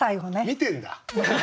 見てんだ。